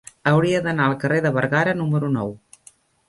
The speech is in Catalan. Hauria d'anar al carrer de Bergara número nou.